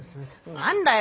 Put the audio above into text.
何だよ。